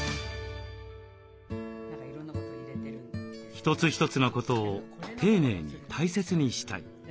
一つ一つのことを丁寧に大切にしたい。